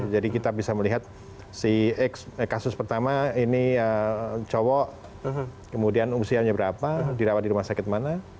jadi kita bisa melihat kasus pertama ini cowok kemudian usianya berapa dirawat di rumah sakit mana